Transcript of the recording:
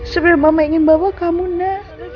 sebelum mama ingin bawa kamu nak